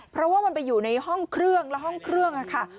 เพราะว่ามันไปอยู่ในห้องเครื่องและห้องเครื่องค่ะ